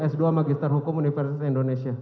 s dua magister hukum universitas indonesia